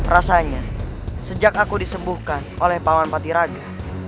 rasanya sejak aku disembuhkan oleh pawan patiraga